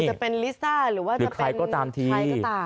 จะเป็นลิซ่าหรือว่าจะเป็นใครก็ตามทีใครก็ตาม